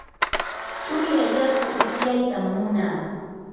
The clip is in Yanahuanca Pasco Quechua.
chuya yaku upyaytam munaa.